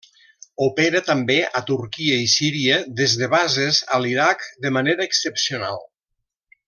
Opera també a Turquia i Síria des de bases a l'Iraq de manera excepcional.